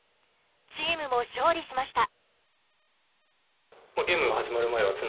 チームも勝利しました。